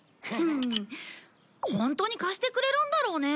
ホントに貸してくれるんだろうね？